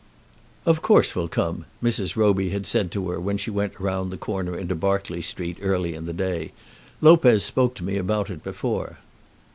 "Of course we'll come," Mrs. Roby had said to her when she went round the corner into Berkeley Street early in the day. "Lopez spoke to me about it before."